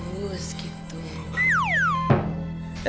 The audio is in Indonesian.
bagus gitu ya